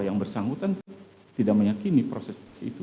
yang bersangkutan tidak meyakini proses itu